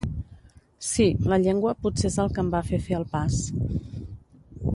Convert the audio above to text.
Sí, la llengua potser és el que em va fer fer el pas.